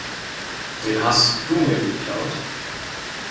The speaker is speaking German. Den hast du mir geklaut.